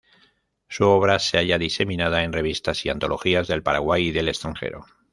Su obra se halla diseminada en revistas y antologías del Paraguay y del extranjero.